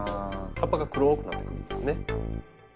葉っぱが黒くなってくるんですね。